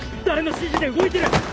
誰の指示で動いてる？